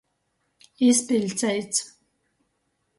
Izpiļceits.